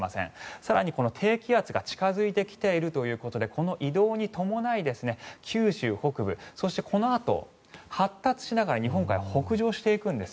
更に低気圧が近付いてきているということでこの移動に伴い九州北部そしてこのあと発達しながら日本海を北上していくんです。